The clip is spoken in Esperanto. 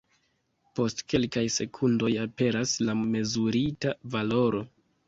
Post kelkaj sekundoj aperas la mezurita valoro.